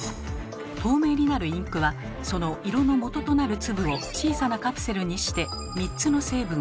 透明になるインクはその色のもととなる粒を小さなカプセルにして３つの成分を入れました。